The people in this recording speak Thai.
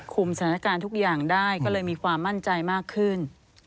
สถานการณ์ทุกอย่างได้ก็เลยมีความมั่นใจมากขึ้น